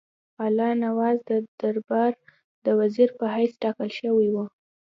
الله نواز د دربار د وزیر په حیث ټاکل شوی وو.